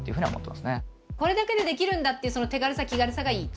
これだけで出来るんだっていうその手軽さ気軽さがいい？